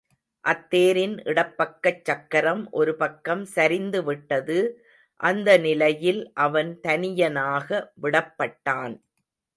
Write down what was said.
அத்தேரின் இடப் பக்கச் சக்கரம் ஒரு பக்கம் சரிந்துவிட்டது அந்த நிலையில் அவன் தனியனாக விடப் பட்டான்.